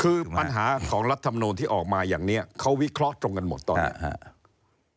คือปัญหาของรัฐมนูลที่ออกมาอย่างนี้เขาวิเคราะห์ตรงกันหมดตอนนี้ครับ